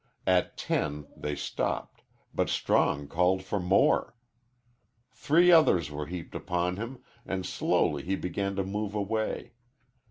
At ten they stopped, but Strong called for more. Three others were heaped upon him, and slowly he began to move away.